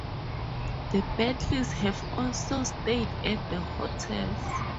The Beatles have also stayed at the hotel.